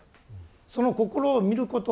その心を見ること